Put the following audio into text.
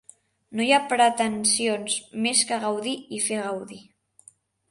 No hi ha pretensions més que gaudir i fer gaudir.